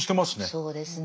そうですね。